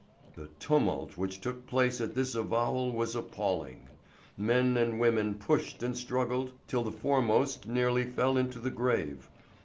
The tumult which took place at this avowal was appalling. Men and women pushed and struggled till the foremost nearly fell into the grave.